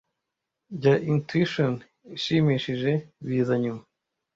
Bya intuition ishimishije biza nyuma.